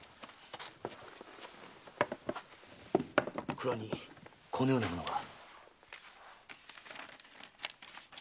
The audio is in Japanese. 蔵にこのような物が。